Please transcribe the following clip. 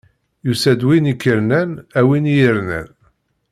Yusa-d win k-irnan, a win i yi-irnan!